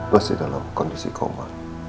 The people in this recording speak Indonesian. pasti dalam kondisi koma